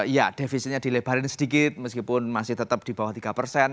ya defisitnya dilebarin sedikit meskipun masih tetap di bawah tiga persen